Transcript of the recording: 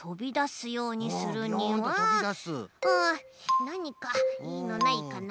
うんなにかいいのないかな。